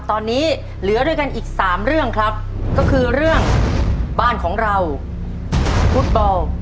ตอนนี้เหลือด้วยกันอีกสามเรื่องครับก็คือเรื่องบ้านของเราฟุตบอล